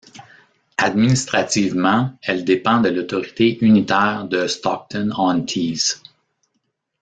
Administrativement, elle dépend de l'autorité unitaire de Stockton-on-Tees.